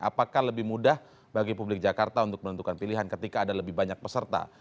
apakah lebih mudah bagi publik jakarta untuk menentukan pilihan ketika ada lebih banyak peserta